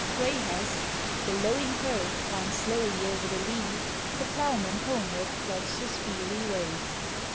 Gray has The lowing herd wind slowly o'er the lea, The ploughman homeward plods his weary way.